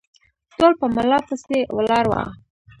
ټول په ملا پسې ولاړ وه